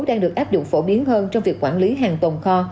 đang được áp dụng phổ biến hơn trong việc quản lý hàng tồn kho